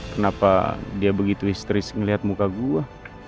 kenapa dia begitu histeris melihat muka gue